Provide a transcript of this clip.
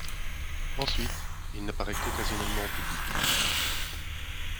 Ensuite, il n'apparaît qu'occasionnellement en public.